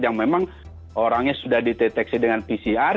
yang memang orangnya sudah dideteksi dengan pcr